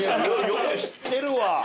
よく知ってるわ。